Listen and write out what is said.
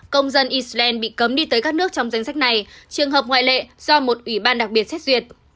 công dân iceland bị cấm đi tới các nước trong danh sách này trường hợp ngoại lệ do một ủy ban đặc biệt xét duyệt